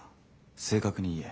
正確に言え。